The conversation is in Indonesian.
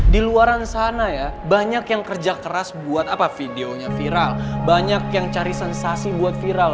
di luaran sana ya banyak yang kerja keras buat apa videonya viral banyak yang cari sensasi buat viral